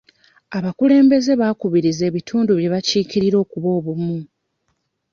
Abakulembeze baakubiriza ebitundu bye bakiikirira okuba obumu.